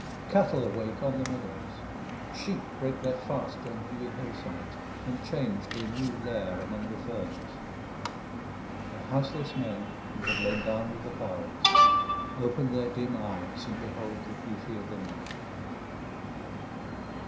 Cattle awake on the meadows; sheep break their fast on dewy hillsides, and change to a new lair among the ferns; and houseless men, who have lain down with the fowls, open their dim eyes and behold the beauty of the night.